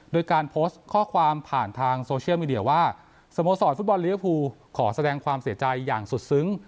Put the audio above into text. โดยการโพสต์ข้อความผ่านทางโซเชียลมีเดียว่าสโมสรฟุตบอลลิเวอร์ภูขอแสดงความเสียใจอย่างสุดซึ้ง